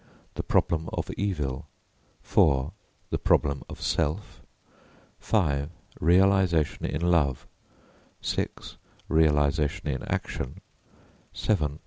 THE PROBLEM OF EVIL IV. THE PROBLEM OF SELF V. REALISATION IN LOVE VI. REALISATION IN ACTION VII.